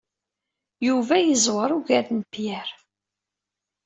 Yuba yeẓwer ugar n Pierre.